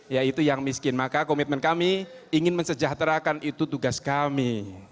ya itu yang miskin maka komitmen kami ingin mensejahterakan itu tugas kami